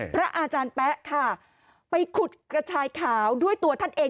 พระอาจารย์แป๊ะค่ะไปขุดกระชายขาวด้วยตัวท่านเอง